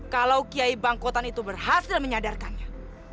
kalau kiyai bangkutan itu berhasil menyadarkannya